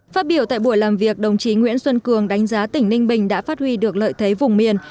phát biểu tại buổi làm việc đồng chí nguyễn xuân cường đánh giá tỉnh ninh bình đã phát huy được lợi thế vùng miền